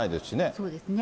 そうですね。